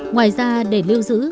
ngoài ra để lưu giữ